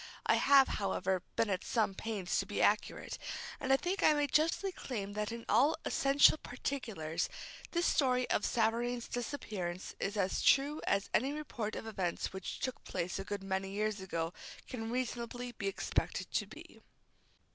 I have, however, been at some pains to be accurate, and I think I may justly claim that in all essential particulars this story of Savareen's disappearance is as true as any report of events which took place a good many years ago can reasonably be expected to be.